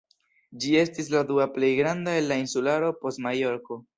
Ĝi estas la dua plej granda el la insularo post Majorko.